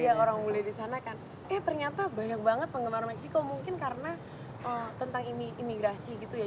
iya orang mulia disana kan eh ternyata banyak banget penggemar meksiko mungkin karena tentang imigrasi gitu ya